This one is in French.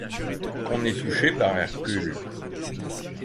Qu'on est touché par Hercule